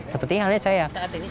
sepertinya halnya saya